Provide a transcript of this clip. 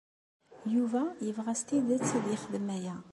Yuba yebɣa s tidet ad yexdem aya.